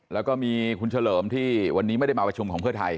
แล้วก็มีคุณเฉลิมที่วันนี้ไม่ได้มาประชุมของเพื่อไทย